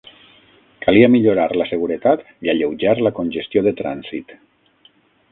Calia millorar la seguretat i alleujar la congestió de trànsit.